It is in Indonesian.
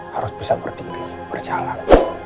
harus bisa berdiri berjalan